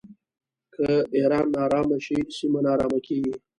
که ایران ناارامه شي سیمه ناارامه کیږي.